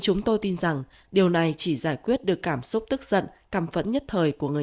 chúng tôi tin rằng điều này chỉ giải quyết được cảm xúc tức tức giận cằm phẫn nhất thời của người